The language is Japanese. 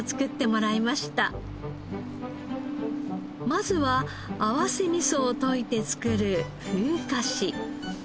まずは合わせみそを溶いて作るふうかし。